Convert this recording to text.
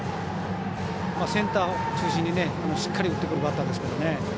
センター中心にしっかり打ってくるバッターですからね。